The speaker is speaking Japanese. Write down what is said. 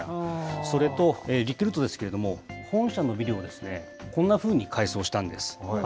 それとリクルートですけれども、本社のビルを、こんなふうに改装したんです。